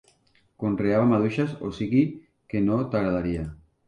Conreava maduixes, o sigui que no t'agradaria.